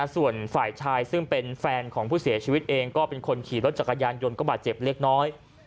ส่วนฝ่ายชายซึ่งเป็นแฟนของผู้เสียชีวิตเองก็เป็นคนขี่รถจักรยานยนต์ก็บาดเจ็บเล็กน้อย